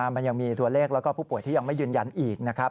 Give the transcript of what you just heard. มันยังมีตัวเลขแล้วก็ผู้ป่วยที่ยังไม่ยืนยันอีกนะครับ